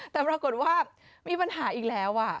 แต่ปรากฏว่ามีปัญหาอีกแล้ว